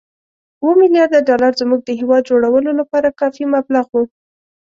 اووه ملیارده ډالر زموږ د هېواد جوړولو لپاره کافي مبلغ وو.